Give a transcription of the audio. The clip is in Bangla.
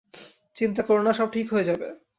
চিন্তা করো না, সব ঠিক হয়ে যাবে।